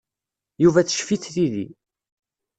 Yuba teccef-it tidi.